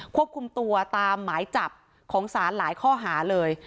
ควบคุมตัวตามหมายจับของศาลหลายข้อหาเลย